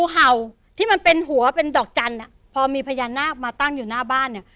เห่าที่มันเป็นหัวเป็นดอกจันทร์พอมีพญานาคมาตั้งอยู่หน้าบ้านเนี่ย